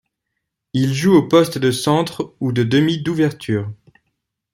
Il joue au poste de centre ou de demi d'ouverture.